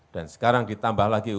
dan sekarang ditambah lagi urusan